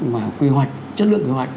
và quy hoạch chất lượng quy hoạch